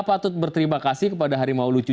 patut berterima kasih kepada harimau lucu